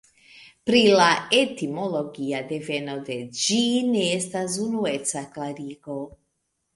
Pri la etimologia deveno de ĝi ne estas unueca klarigo.